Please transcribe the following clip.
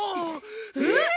えっ！？